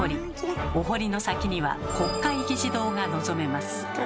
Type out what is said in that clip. お濠の先には国会議事堂が望めます。